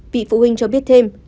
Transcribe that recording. vị phụ huynh cho biết thêm